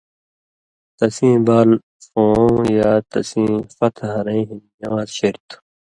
تسیں بال ݜُون٘وؤں یا تسیں فتح ہرَیں ہِن نِوان٘ز شریۡ تھُو۔